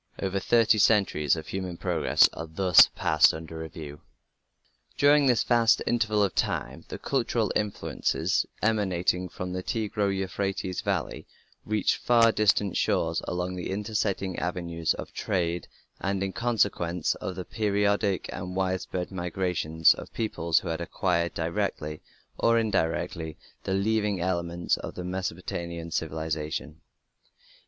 Over thirty centuries of human progress are thus passed under review. During this vast interval of time the cultural influences emanating from the Tigro Euphrates valley reached far distant shores along the intersecting avenues of trade, and in consequence of the periodic and widespread migrations of peoples who had acquired directly or indirectly the leavening elements of Mesopotamian civilization.